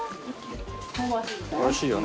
「おいしいよね